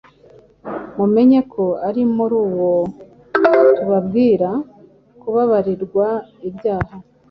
mumenye ko ari muri uwo tubabwira kubabarirwa ibyaha: